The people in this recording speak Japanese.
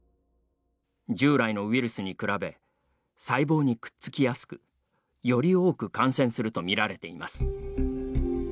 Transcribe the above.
従来のウイルスに比べ細胞にくっつきやすくより多く感染すると見られています。